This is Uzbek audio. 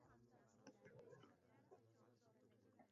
Skameyka suyanchiqlariga qulochlarini yoydi.